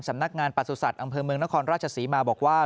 สำนักงานประสุทธิ์อำเภอเมืองนครราชศรีมาบอกว่า